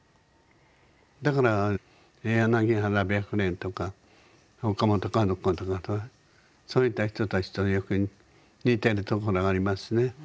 だから柳原白蓮とか岡本かの子とかとそういった人たちとよく似てるところがありますね。